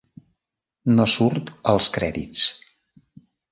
No surt als crèdits.